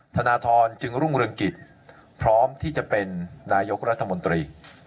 ธนทรจึงรุ่งเรืองกิจพร้อมที่จะเป็นนายกรัฐมนตรี